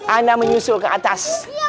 ana menyusul ke atas